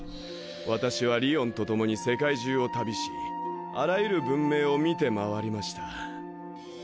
私はりおんと共に世界中を旅しあらゆる文明を見て回りました。